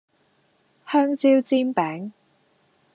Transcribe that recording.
香蕉煎餅